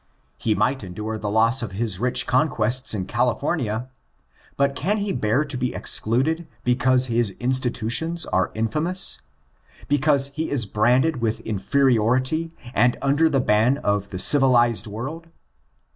He might endure the loss of his rich conquests in California, but can he bear to be excluded because his institutions are infamous? because he is branded with inferiority, and under the ban of the civilized world